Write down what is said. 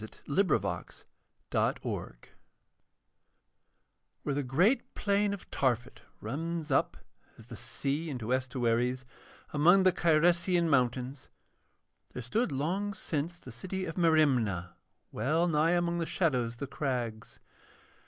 The Sword of Welleran Where the great plain of Tarphet runs up, as the sea in estuaries, among the Cyresian mountains, there stood long since the city of Merimna well nigh among the shadows of the crags.